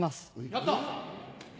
やった！